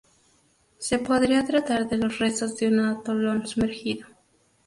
Se podría tratar de los restos de un atolón sumergido.